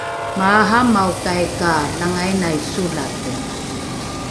maaramaokai ka langainai solate